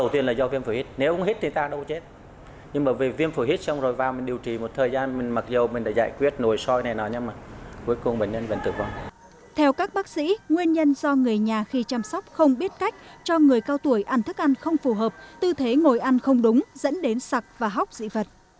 theo các bác sĩ nguyên nhân do người nhà khi chăm sóc không biết cách cho người cao tuổi ăn thức ăn không phù hợp tư thế ngồi ăn không đúng dẫn đến sặc và hóc dị vật